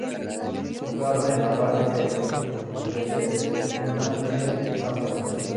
Situado en la parte septentrional de la Safor.